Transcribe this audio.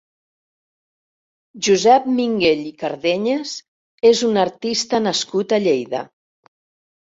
Josep Minguell i Cardenyes és un artista nascut a Lleida.